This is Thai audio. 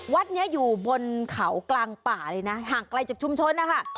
วัดนี้อยู่บนเขากลางป่าเลยนะห่างไกลจากชุมชนนะคะ